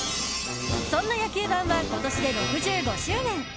そんな野球盤は今年で６５周年。